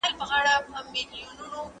له يوه سپاره دوړه نه خېژى.